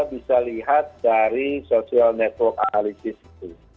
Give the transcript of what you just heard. kita bisa lihat dari social network analysis itu